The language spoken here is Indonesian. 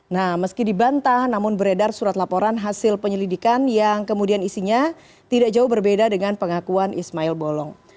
nah meski dibantah namun beredar surat laporan hasil penyelidikan yang kemudian isinya tidak jauh berbeda dengan pengakuan ismail bolong